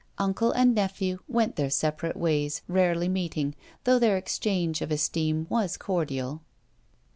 Uncle and nephew went their separate ways, rarely meeting, though their exchange of esteem was cordial.